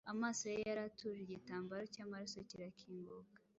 Amaso ye yari atuje; igitambaro cyamaraso kirakinguka,